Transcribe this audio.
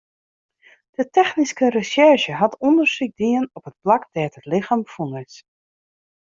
De technyske resjerzje hat ûndersyk dien op it plak dêr't it lichem fûn is.